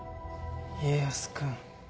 家康君。